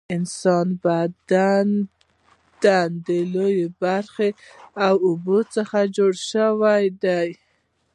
د انسان د بدن لویه برخه له اوبو څخه جوړه شوې ده